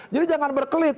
jadi jangan berkelit